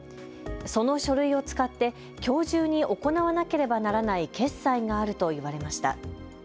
その書類を使ってきょう中に行わなければならない決済があると言われました。